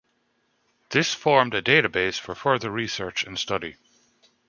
This formed a database for further research and study.